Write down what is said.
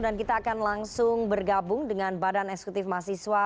dan kita akan langsung bergabung dengan badan eksekutif mahasiswa